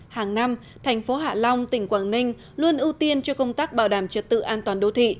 hàng năm thành phố hạ long tỉnh quảng ninh luôn ưu tiên cho công tác bảo đảm trật tự an toàn đô thị